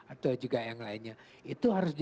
atau juga yang lainnya itu harus